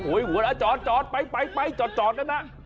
หัวหน้าจอดไปจอดแล้วนะ